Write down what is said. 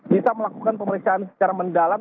bisa melakukan pemeriksaan secara mendalam